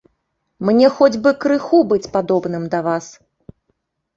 Мне хоць бы крыху быць падобным да вас.